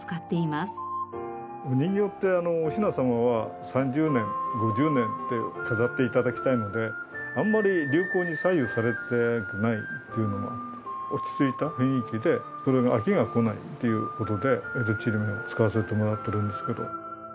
お人形っておひなさまは３０年５０年って飾って頂きたいのであんまり流行に左右されたくないっていうのもあって落ち着いた雰囲気でそれが飽きがこないっていう事で江戸ちりめんを使わせてもらってるんですけど。